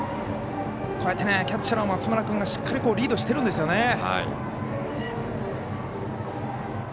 こうやってキャッチャーの松村君しっかりリードしてるんですよね。